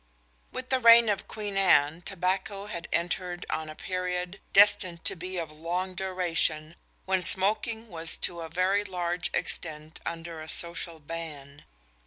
With the reign of Queen Anne tobacco had entered on a period, destined to be of long duration, when smoking was to a very large extent under a social ban.